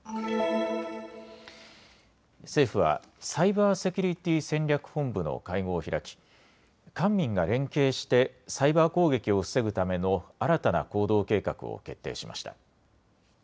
政府はサイバーセキュリティ戦略本部の会合を開き官民が連携してサイバー攻撃を防ぐための新たな行動計画を決定しました。